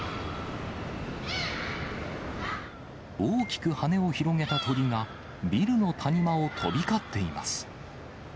大きく羽を広げた鳥が、ビルの谷間を飛び交っています。